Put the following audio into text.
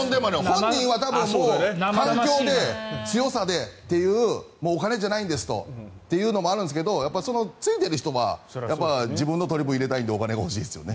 本人はもう環境で、強さでお金じゃないんですというのもあるんですけどついている人は自分の取り分を入れたいのでお金が欲しいですよね。